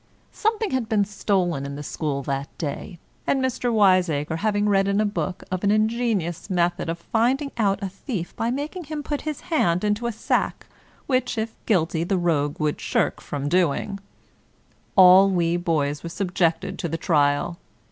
Something had been stolen in the school that day; and Mr. Wiseacre having read in a book of an ingenious method of finding out a thief by making him put his hand into a sack (which, if guilty, the rogue would shirk from doing), all we boys were subjected to the trial.